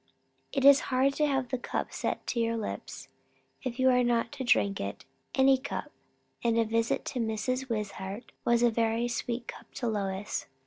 It is hard to have the cup set to your lips, if you are not to drink it; any cup; and a visit to Mrs. Wishart was a very sweet cup to Lois.